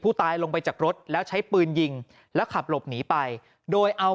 ตายลงไปจากรถแล้วใช้ปืนยิงแล้วขับหลบหนีไปโดยเอา